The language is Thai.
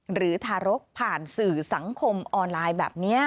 ทารกผ่านสื่อสังคมออนไลน์แบบนี้